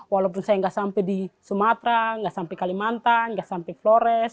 walaupun saya nggak sampai di sumatera nggak sampai kalimantan nggak sampai flores